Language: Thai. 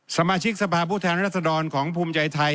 สมาชิกสภาพผู้แทนรัศดรของภูมิใจไทย